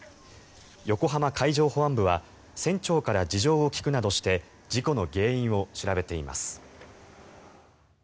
横浜海上保安部は船長から事情を聴くなどして事故の原因を調べています。